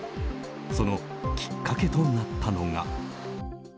そのきっかけとなったのが。